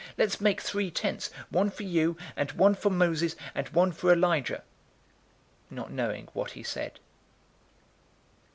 Let's make three tents: one for you, and one for Moses, and one for Elijah," not knowing what he said.